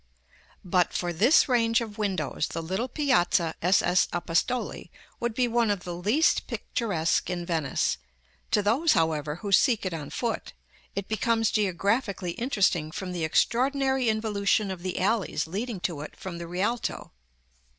But for this range of windows, the little piazza SS. Apostoli would be one of the least picturesque in Venice; to those, however, who seek it on foot, it becomes geographically interesting from the extraordinary involution of the alleys leading to it from the Rialto.